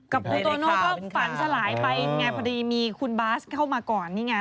กับคุณโตโน่ก็ฝันสลายไปไงพอดีมีคุณบาสเข้ามาก่อนนี่ไง